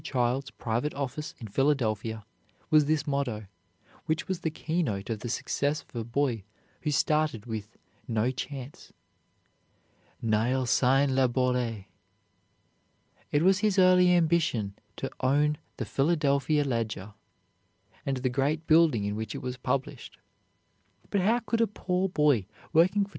Childs' private office in Philadelphia was this motto, which was the key note of the success of a boy who started with "no chance": "Nihil sine labore." It was his early ambition to own the "Philadelphia Ledger" and the great building in which it was published; but how could a poor boy working for $2.